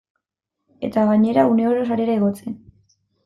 Eta gainera, uneoro sarera igotzen.